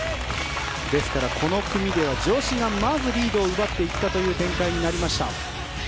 ですから、この組では女子がまずリードを奪っていったという展開になりました。